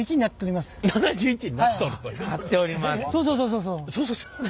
そうそうそうそうそう。